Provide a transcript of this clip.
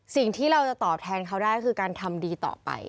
สิ่งที่เราจะตอบแทนเขาได้คือการทำดีต่อไป